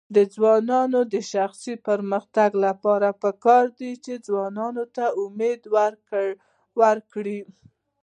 د ځوانانو د شخصي پرمختګ لپاره پکار ده چې ځوانانو ته امید ورکړي.